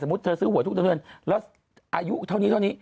สมมุติเธอซื้อหวยทุกเดือนแล้วอายุเท่านี้